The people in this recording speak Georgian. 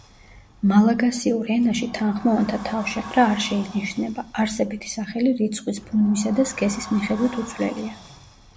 მალაგასიურ ენაში თანხმოვანთა თავშეყრა არ შეინიშნება, არსებითი სახელი რიცხვის, ბრუნვისა და სქესის მიხედვით უცვლელია.